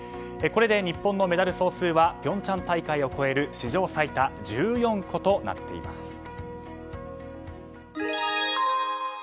これで日本のメダル総数は平昌大会を超える史上最多１４個となっています。